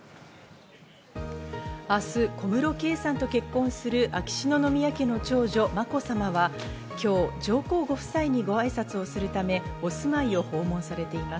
明日、小室圭さんと結婚する秋篠宮家の長女・まこさまは今日、上皇ご夫妻にごあいさつをするため、お住まいを訪問されています。